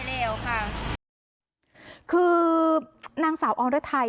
ไปแล้วครับคือนางสาวอองรัฐไทย